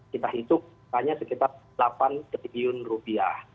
kita hitung hanya sekitar delapan triliun rupiah